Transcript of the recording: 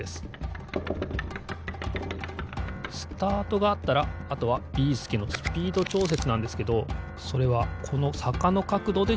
スタートがあったらあとはビーすけのスピードちょうせつなんですけどそれはこのさかのかくどでちょうせつしてます。